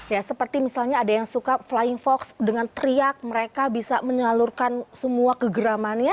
ya seperti misalnya ada yang suka flying fox dengan teriak mereka bisa menyalurkan semua kegeramannya